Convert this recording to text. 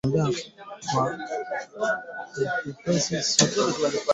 Kutembea kwa kupepesuka